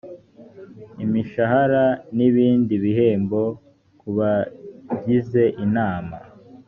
imishahara n ibindi bihembo ku bagize inama